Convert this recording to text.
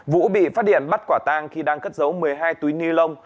vũ bị phát hiện bắt quả tang khi đang cất giấu một mươi hai túi ni lông